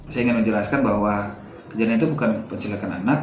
saya ingin menjelaskan bahwa kejadian itu bukan pencelakan anak